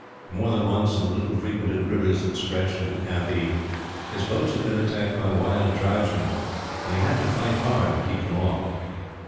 More than once, in the little frequented rivers that stretched into Kathee, his boats had been attacked by wild tribesmen; and he had to fight hard to keep them off.